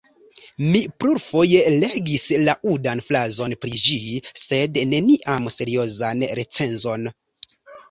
Mi plurfoje legis laŭdan frazon pri ĝi, sed neniam seriozan recenzon.